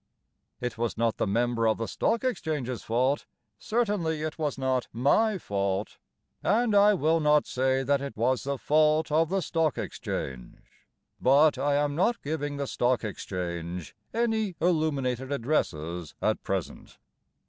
It was not the member of the Stock Exchange's fault; Certainly it was not my fault; And I will not say that it was the fault of the Stock Exchange. But I am not giving the Stock Exchange Any illuminated addresses At present.